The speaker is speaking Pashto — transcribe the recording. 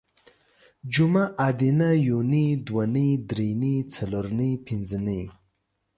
جومه ادینه یونۍ دونۍ درېنۍ څلورنۍ پنځنۍ